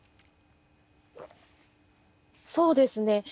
そうですね